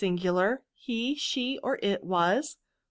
He, she, or it was.